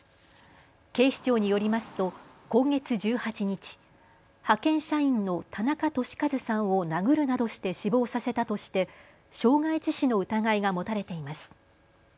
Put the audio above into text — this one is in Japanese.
警視庁によりますと今月１８日、派遣社員の田中寿和さんを殴るなどして死亡させたとして傷害致死の疑いが持たれています。